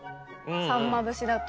さんま節だと。